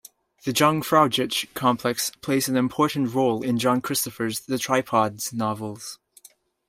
The Jungfraujoch complex plays an important role in John Christopher's "The Tripods" novels.